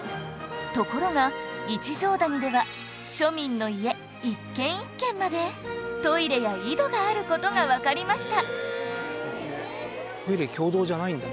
ところが一乗谷では庶民の家一軒一軒までトイレや井戸がある事がわかりました